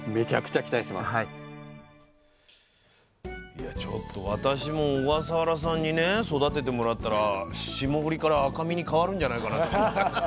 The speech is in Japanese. いやちょっと私も小笠原さんにね育ててもらったら霜降りから赤身に変わるんじゃないかなと思った。